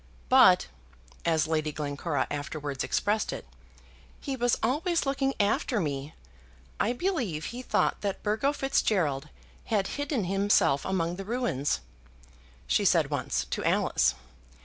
"But," as Lady Glencora afterwards expressed it, "he was always looking after me. I believe he thought that Burgo Fitzgerald had hidden himself among the ruins," she said once to Alice.